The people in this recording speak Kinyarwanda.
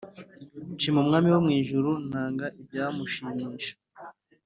nshima umwami wo mu ijuru, ntanga ibyamushimisha